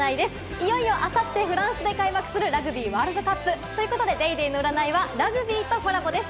いよいよあさって、フランスで開幕するラグビーワールドカップということで、『ＤａｙＤａｙ．』の占いはラグビーとコラボです。